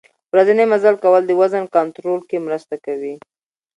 ورځنی مزل کول د وزن کنترول کې مرسته کوي.